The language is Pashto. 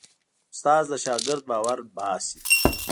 استاد د شاګرد باور باسي.